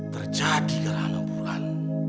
terjadi gerhana buruhan